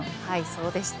そうでした。